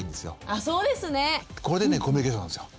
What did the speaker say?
あそうですね。これでねコミュニケーションなんですよ。